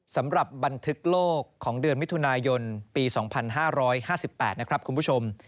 สำหรับบันทึกโลกของเดือนมิถุนายนปี๒๕๕๘นะครับคุณผู้ชม